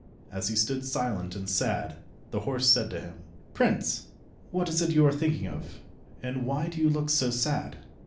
As he stood silent and sad, his horse said to him— "Prince, what is it you are thinking of, and why do you look so sad?"